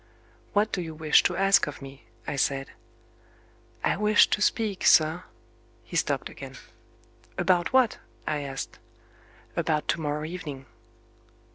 "What do you wish to ask of me?" I said. "I wished to speak, sir " He stopped again. "About what?" I asked. "About to morrow evening."